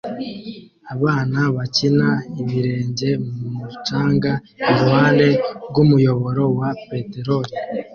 Abana bakina ibirenge mu mucanga iruhande rw'umuyoboro wa peteroli